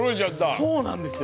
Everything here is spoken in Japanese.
そうなんですよ。